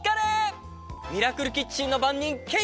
ミラクルキッチンのばんにんケイです！